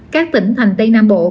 các tỉnh thành tây nam bộ